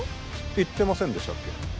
言ってませんでしたっけ？